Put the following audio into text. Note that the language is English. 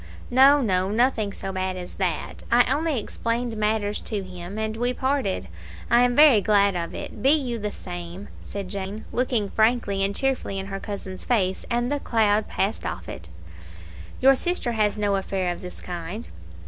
"No, no; nothing so bad as that. I only explained matters to him, and we parted. I am very glad of it. Be you the same," said Jane, looking frankly and cheerfully in her cousin's face, and the cloud passed off it. "Your sister has no affair of this kind?"